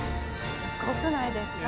すごくないですか？